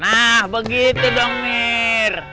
nah begitu dong mir